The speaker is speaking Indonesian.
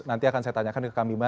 nanti akan saya tanyakan ke kambi maa